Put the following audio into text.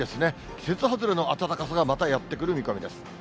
季節外れの暖かさがまたやって来る見込みです。